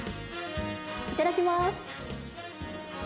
いただきます。